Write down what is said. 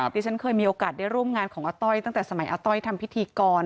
ที่ฉันเคยมีโอกาสได้ร่วมงานของอาต้อยตั้งแต่สมัยอาต้อยทำพิธีกร